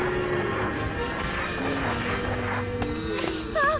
あっ！